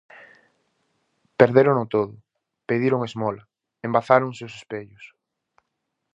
Perdérono todo, pediron esmola, embazáronse os espellos.